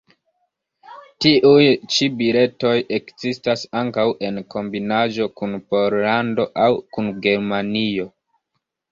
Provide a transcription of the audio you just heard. Tiuj ĉi biletoj ekzistas ankaŭ en kombinaĵo kun Pollando aŭ kun Germanio.